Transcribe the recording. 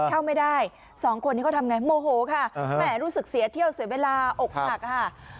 ๒คนนี้เขาทำอย่างไรโมโหค่ะแหม่รู้สึกเสียเที่ยวเสียเวลาอกหักค่ะ